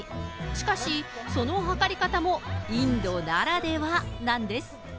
しかし、その測り方もインドならではなんです。